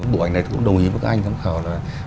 bộ ảnh này tôi cũng đồng ý với các anh giám khảo